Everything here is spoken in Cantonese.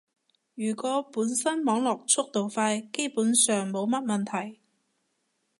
如果本身網絡速度快，基本上冇乜問題